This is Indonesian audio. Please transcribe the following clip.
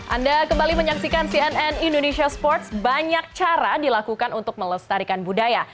anda kembali menyaksikan cnn indonesia sports banyak cara dilakukan untuk melestarikan budaya